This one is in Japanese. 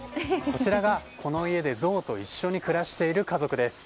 こちらがこの家でゾウと一緒に暮らしている家族です。